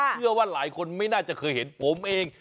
เชื่อว่าหลายคนไม่น่าจะเคยเห็นผมเอง